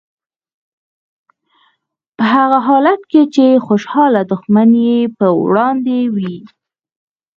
په هغه حالت کې چې خوشحاله دښمن یې په وړاندې وي.